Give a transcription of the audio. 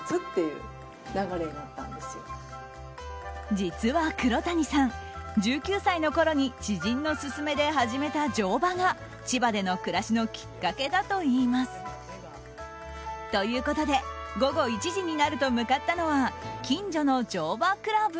実は黒谷さん、１９歳のころに知人の勧めで始めた乗馬が千葉での暮らしのきっかけだといいます。ということで午後１時になると向かったのは近所の乗馬クラブ。